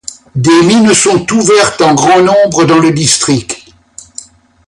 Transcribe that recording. Des mines sont ouvertes en grand nombre dans le district.